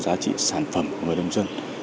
giá trị sản phẩm của người nông dân